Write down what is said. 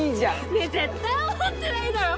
ねえ絶対思ってないだろ。